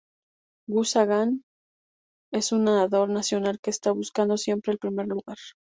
Woo Sang es un nadador nacional que está buscando siempre el primer lugar.